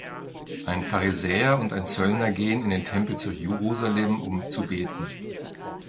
Ein Pharisäer und ein Zöllner gehen in den Tempel zu Jerusalem, um zu beten.